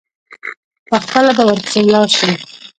پخپله به ورپسي ولاړ شي.